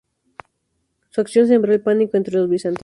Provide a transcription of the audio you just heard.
Su acción sembró el pánico entre los bizantinos.